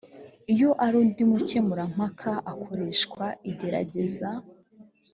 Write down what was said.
iyo ari undi mukemurampaka akoreshwa igerageza